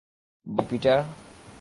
By, Peter.